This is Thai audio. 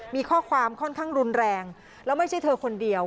มีข้อความค่อนข้างรุนแรงแล้วไม่ใช่เธอคนเดียว